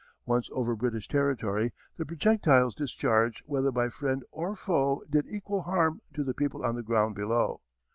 Once over British territory the projectiles discharged whether by friend or foe did equal harm to the people on the ground below.